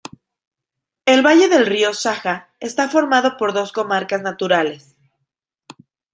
El valle del río Saja, está formado por dos comarcas naturales.